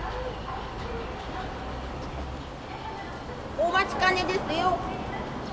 お待ちかねですよ。